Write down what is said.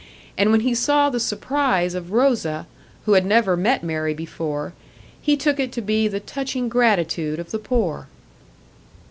And when he saw the surprise of Rosa, who had never met Mary before, he took it to be the touching gratitude of the poor!